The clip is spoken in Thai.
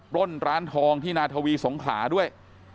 ล้นร้านทองที่นาทวีสงขลาด้วย